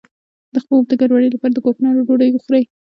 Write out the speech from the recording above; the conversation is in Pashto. د خوب د ګډوډۍ لپاره د کوکنارو ډوډۍ وخورئ